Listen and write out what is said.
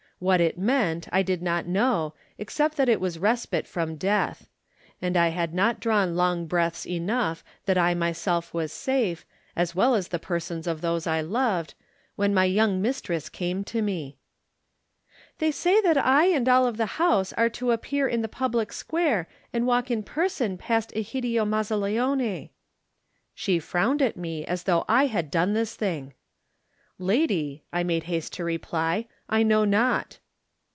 What it meant I did not know, except that it was respite from death; and I had not drawn long breaths enough that I myself was safe, as well as the persons of those I loved, when my young mistress came to me. "They say that I and all of the house are to appear in the public square and walk in person past Egidio Mazzaleone." She frowned at me as though I had done this thing. "Lady,'* I made haste to reply, "I know not.'